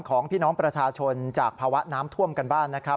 ของพี่น้องประชาชนจากภาวะน้ำท่วมกันบ้านนะครับ